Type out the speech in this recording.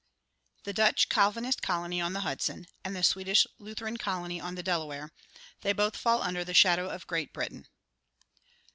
THE DUTCH CALVINIST COLONY ON THE HUDSON AND THE SWEDISH LUTHERAN COLONY ON THE DELAWARE THEY BOTH FALL UNDER THE SHADOW OF GREAT BRITAIN.